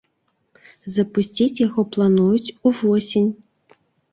Запусціць яго плануюць увосень.